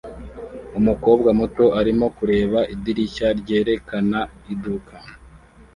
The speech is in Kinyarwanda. Umukobwa muto arimo kureba idirishya ryerekana iduka